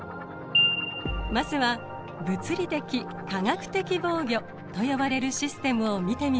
まずは物理的・化学的防御と呼ばれるシステムを見てみましょう。